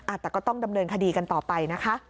แต่ก็ต้องดำเนินคดีกันต่อไปนะคะ